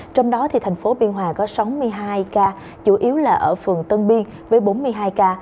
trong đó thành phố biên hòa có sáu mươi hai ca chủ yếu là ở phường tân biên với bốn mươi hai ca